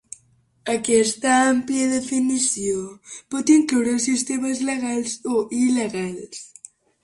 Aquesta àmplia definició pot incloure els sistemes legals o il·legals.